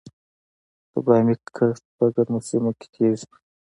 د بامیې کښت په ګرمو سیمو کې کیږي؟